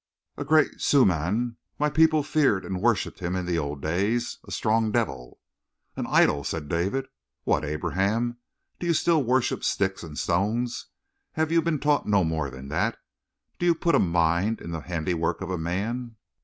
"A great suhman. My people feared and worshiped him in the old days. A strong devil!" "An idol!" said David. "What! Abraham, do you still worship sticks and stones? Have you been taught no more than that? Do you put a mind in the handiwork of a man?"